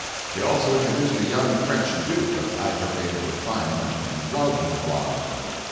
She also introduced a young French Duke of aggravated refinement, in love with the blonde.